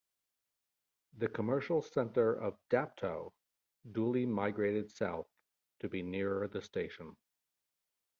The commercial centre of Dapto duly migrated south to be nearer the station.